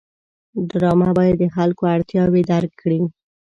ډرامه باید د خلکو اړتیاوې درک کړي